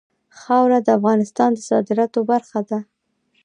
خاوره د افغانستان د صادراتو برخه ده.